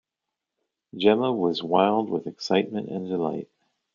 Jemma was wild with excitement and delight.